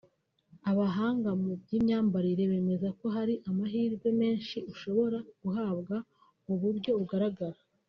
Abahanga mu by’ imyambarire bemeza ko hari amahirwe menshi ushobora guhabwa n’ uburyo ugaragara